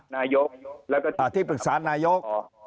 นายกแล้วก็ที่ปรึกษานายก